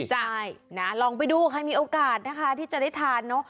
ใช่ลองไปดูให้มีโอกาสที่จะได้ทาน